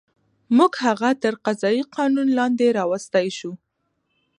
موږ هغه تر قضایي قانون لاندې راوستی شو.